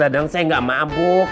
tanda tanda saya tidak mabuk